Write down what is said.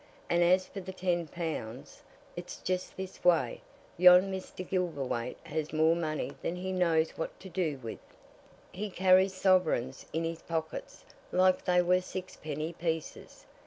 And as for the ten pounds, it's just this way: yon Mr. Gilverthwaite has more money than he knows what to do with. He carries sovereigns in his pockets like they were sixpenny pieces!